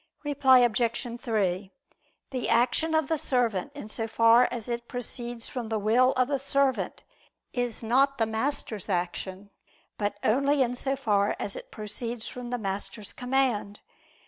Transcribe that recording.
Reply Obj. 3: The action of the servant, in so far as it proceeds from the will of the servant, is not the master's action: but only in so far as it proceeds from the master's command.